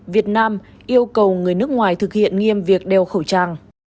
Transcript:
việt nam yêu cầu người nước ngoài thực hiện nghiêm việc đeo khẩu trang